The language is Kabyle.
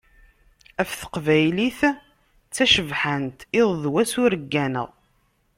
Ɣef teqbaylit, d tacebḥant, iḍ d wass ur gganeɣ.